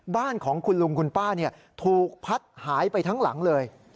บ้านของคุณลุงคุณป้าถูกพัดหายไปทั้งหลังเลย